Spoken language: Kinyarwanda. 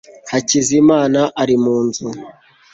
hakizimana ari mu nzu